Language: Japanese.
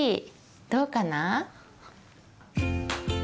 どうかな？